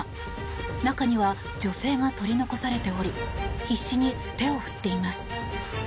中には女性が取り残されており必死に手を振っています。